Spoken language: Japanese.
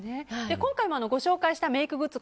今回、ご紹介したメイクグッズ